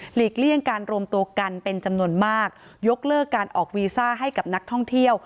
เลี่ยงการรวมตัวกันเป็นจำนวนมากยกเลิกการออกวีซ่าให้กับนักท่องเที่ยว